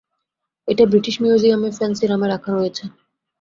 এটা ব্রিটিশ মিউজিয়ামে ফ্যান্সি নামে রাখা রয়েছে।